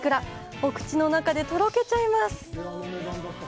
お口の中で、とろけちゃいます。